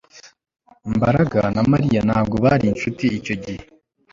Mbaraga na Mariya ntabwo bari inshuti icyo gihe